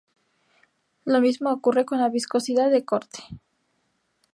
Lo mismo ocurre con la viscosidad de corte.